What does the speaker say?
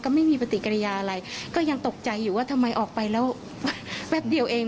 ไม่มีปฏิกิริยาอะไรก็ยังตกใจอยู่ว่าทำไมออกไปแล้วแป๊บเดียวเอง